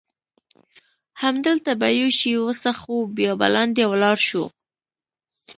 همدلته به یو شی وڅښو، بیا به لاندې ولاړ شو.